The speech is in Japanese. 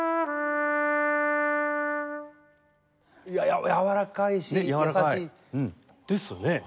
いややわらかいし優しい。ですね。